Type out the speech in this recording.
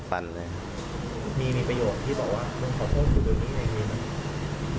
มีประโยชน์ที่บอกว่ามึงขอโทษกูเดี๋ยวนี้ยังไงมีหรอ